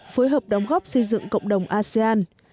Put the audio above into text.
phối hợp đóng góp xây dựng cộng đồng asean